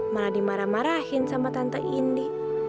malah dimarah marahin sama tante indi